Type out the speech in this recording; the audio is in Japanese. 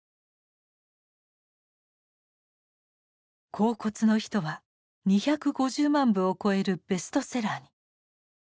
「恍惚の人」は２５０万部を超えるベストセラーに。